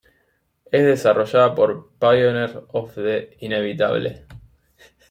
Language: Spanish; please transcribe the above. Es desarrollada por Pioneers of the Inevitable.